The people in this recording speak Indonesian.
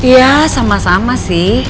ya sama sama sih